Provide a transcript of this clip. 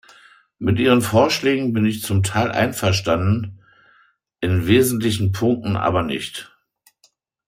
Mit Ihren Vorschlägen bin ich zum Teil einverstanden, in wesentlichen Punkten aber nicht.